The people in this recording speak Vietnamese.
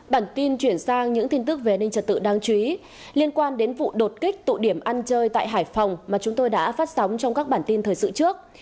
bản tin chuyển sang những tin tức về an ninh trật tự đáng chú ý liên quan đến vụ đột kích tụ điểm ăn chơi tại hải phòng mà chúng tôi đã phát sóng trong các bản tin thời sự trước